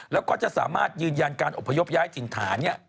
แล้วก็จะสามารถยืนยันการอพยพย้ายจิตฐานเนี่ย